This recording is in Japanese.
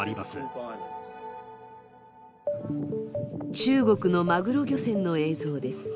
中国のマグロ漁船の映像です。